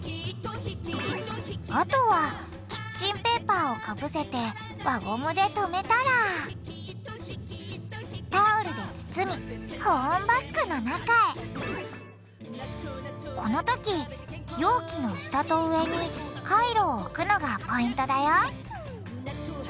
あとはキッチンペーパーをかぶせて輪ゴムで留めたらタオルで包み保温バッグの中へこのとき容器の下と上にカイロを置くのがポイントだよ。